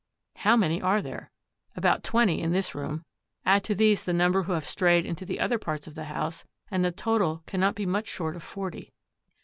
How many are there? About twenty in this room. Add to these the number who have strayed into the other parts of the house, and the total cannot be much short of forty.